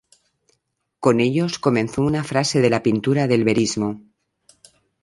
Con ellos, comenzó una fase de la pintura del verismo.